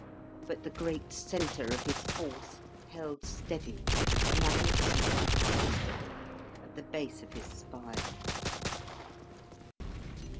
But the great centre of his force held steady, a magnificent pride to him, at the base of his spine.